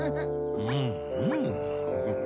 うんうん。